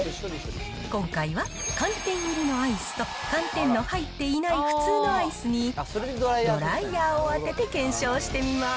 今回は寒天入りのアイスと、寒天の入っていない普通のアイスに、ドライヤーを当てて検証してみます。